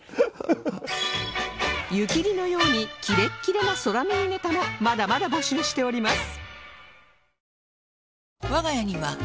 湯切りのようにキレッキレの空耳ネタもまだまだ募集しております